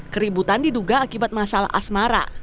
keributan diduga akibat masalah asmara